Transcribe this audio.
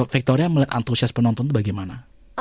victoria melihat antusias penonton itu bagaimana